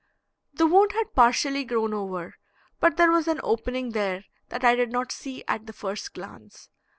The wound had partially grown over, but there was an opening there that I did not see at the first glance.